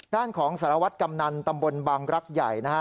ด้านของสารวัตรกำนันตำบลบางรักใหญ่นะฮะ